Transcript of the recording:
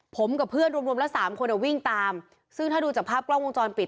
ผมกับเพื่อนรวมรวมละสามคนอ่ะวิ่งตามซึ่งถ้าดูจากภาพกล้องวงจรปิด